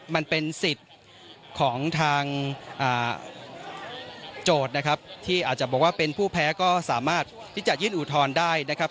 มันเป็นสิทธิ์ของทางโจทย์นะครับที่อาจจะบอกว่าเป็นผู้แพ้ก็สามารถที่จะยื่นอุทธรณ์ได้นะครับ